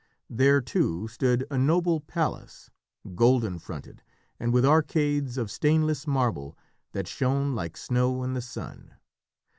There, too, stood a noble palace, golden fronted, and with arcades of stainless marble that shone like snow in the sun.